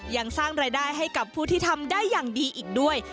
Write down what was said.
ยังสร้างรายได้ให้กับผู้ที่ทำได้อย่างดีอีกด้วย